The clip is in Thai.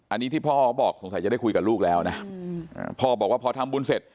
อันนี้ที่พ่อเขาบอกสงสัยจะได้คุยกับลูกแล้วนะพ่อบอกว่าพอทำบุญเสร็จ